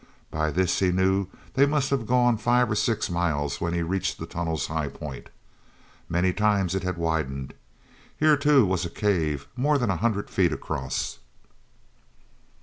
By this he knew they must have gone five or six miles when he reached the tunnel's high point. Many times it had widened. Here, too, was a cave more than a hundred feet across.